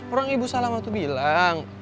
orang ibu salamah itu bilang